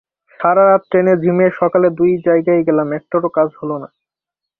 সারা রাত ট্রেনে ঝিমিয়ে সকালে দুই জায়গায় গেলাম, একটারও কাজ হলো না।